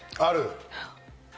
ある。